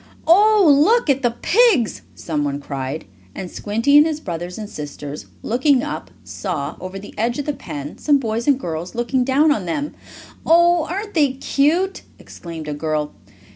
"Oh, look at the pigs!" someone cried, and Squinty, and his brothers and sisters, looking up, saw, over the edge of the pen, some boys and girls looking down on them. "Oh, aren't they cute!" exclaimed a girl.